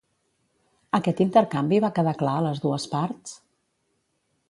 Aquest intercanvi va quedar clar a les dues parts?